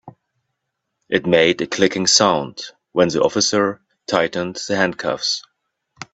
It made a clicking sound when the officer tightened the handcuffs.